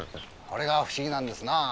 あれが不思議なんですなあ。